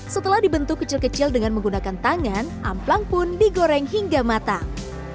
setelah dibentuk kecil kecil dengan menggunakan tangan amplang pun digoreng hingga matang